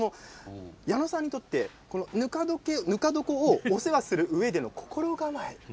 矢野さんにとってぬか床をお世話するうえでの心構え。